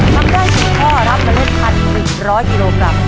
ทำได้๔ข้อรับเมล็ด๑๑๐๐กิโลกรัม